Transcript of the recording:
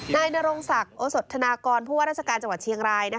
นายนรงศักดิ์โอสดธนากรผู้ว่าราชการจังหวัดเชียงราย